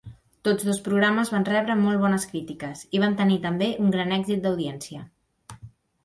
Tots dos programes van rebre molt bones crítiques, i van tenir també un gran èxit d'audiència.